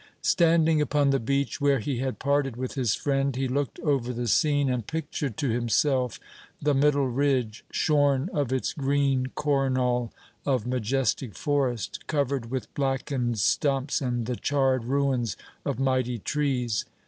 Standing upon the beach where he had parted with his friend, he looked over the scene, and pictured to himself the middle ridge, shorn of its green coronal of majestic forest, covered with blackened stumps and the charred ruins of mighty trees.